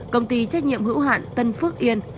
công ty trách nhiệm hữu hạn tân phước yên